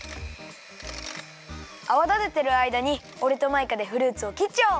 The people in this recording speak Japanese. あわだててるあいだにおれとマイカでフルーツをきっちゃおう。